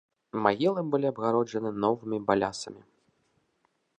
Магілы былі абгароджаны новымі балясамі.